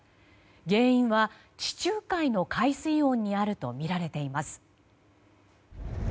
原因は地中海の海水温にあるとみられています。